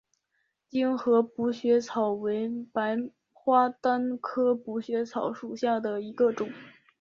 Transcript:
精河补血草为白花丹科补血草属下的一个种。